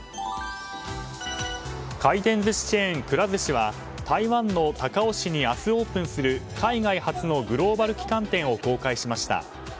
回転ずしチェーン、くら寿司は台湾の高雄市に明日オープンする海外初のグローバル旗艦店を公開しました。